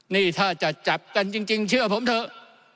นี่ถ้าจะจับกันจริงเชื่อผมเถอะ